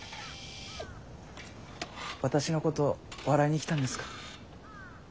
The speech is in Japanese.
私のこと笑いに来たんですか？